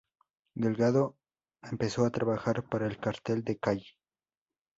Delgado empezó a trabajar para el Cartel de Cali.